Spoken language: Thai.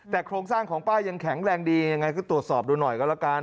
แต่โครงสร้างของป้ายังแข็งแรงดียังไงก็ตรวจสอบดูหน่อยก็แล้วกัน